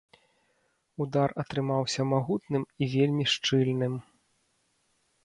Удар атрымаўся магутным і вельмі шчыльным.